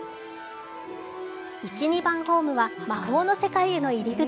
１・２番ホームは魔法の世界への入り口。